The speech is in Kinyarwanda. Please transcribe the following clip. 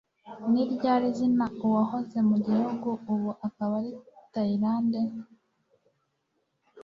Ni ryari izina Uwahoze mu gihugu, ubu akaba ari Tayilande